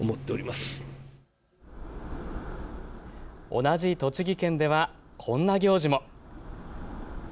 同じ栃木県ではこんな行事も。